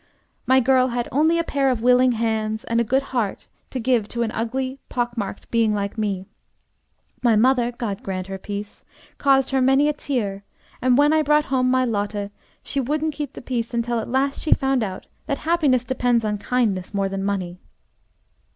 My girl had only a pair of willing hands and a good heart to give to an ugly, pock marked being like me. My mother (God grant her peace!) caused her many a tear, and when I brought home my Lotte she wouldn't keep the peace until at last she found out that happiness depends on kindness more than on money.